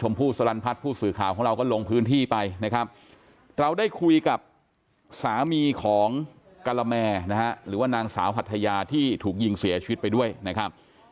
หรือว่านางสาวฮัทยาที่ถูกยิงเสียชีวิตไปด้วยนะครับ